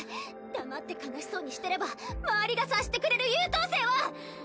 黙って悲しそうにしてれば周りが察してくれる優等生は！